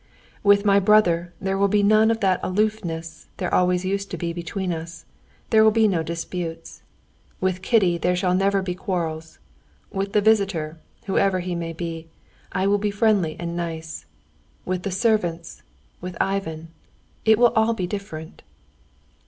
"With my brother there will be none of that aloofness there always used to be between us, there will be no disputes; with Kitty there shall never be quarrels; with the visitor, whoever he may be, I will be friendly and nice; with the servants, with Ivan, it will all be different."